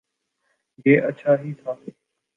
یہ اچھا ہی تھا۔